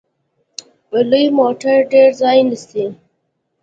لوی موټر ډیر ځای نیسي.